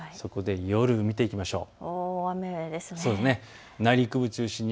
夜を見ていきましょう。